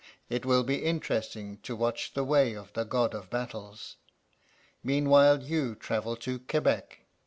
It will be interesting to watch the way of the God of battles. Meanwhile you travel to Quebec.